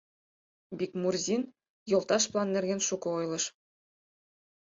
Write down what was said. — Бикмурзин йолташ план нерген шуко ойлыш.